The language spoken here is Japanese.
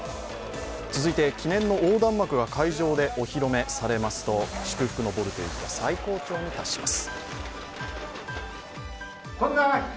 続いて記念の横断幕が会場でお披露目されますと祝福のボルテージは最高潮に達します。